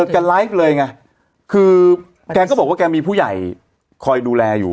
แกไลฟ์เลยไงคือแกก็บอกว่าแกมีผู้ใหญ่คอยดูแลอยู่